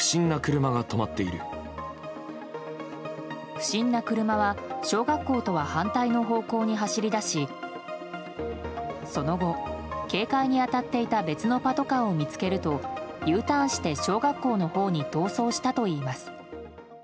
不審な車は小学校とは反対の方向に走り出しその後、警戒に当たっていた別のパトカーを見つけるとＵターンして小学校のほうに逃走したといいます。